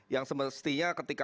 yang semestinya ketika